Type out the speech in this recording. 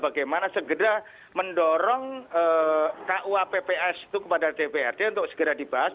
bagaimana segera mendorong kuapps itu kepada dprd untuk segera dibahas